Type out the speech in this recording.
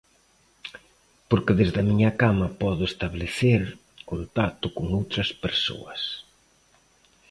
Porque desde a miña cama podo estabelecer contacto con outras persoas.